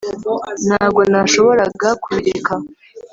Ntabwo nashoboraga kubireka